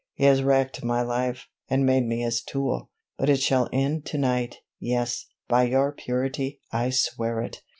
"He has wrecked my life, and made me his tool, but it shall end to night, yes, by your purity, I swear it!"